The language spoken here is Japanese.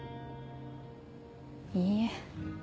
いいえ。